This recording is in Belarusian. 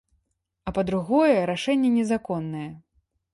А па-другое, рашэнне незаконнае.